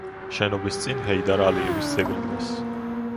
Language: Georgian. შენობის წინ ჰეიდარ ალიევის ძეგლი დგას.